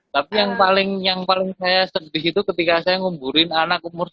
tapi yang paling saya sedih itu ketika saya nguburin anak umur sepuluh hari